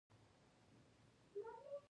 سید حسن خان د شاعرۍ مهم ټکي دې ولیکي.